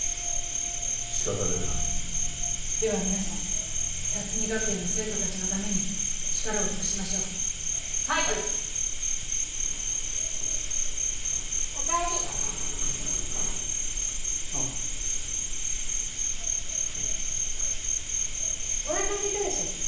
仕方ねえなでは皆さん龍海学園の生徒達のために力を尽くしましょうはい・はいおかえりおうおなかすいたでしょ